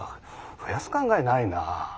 増やす考えないな。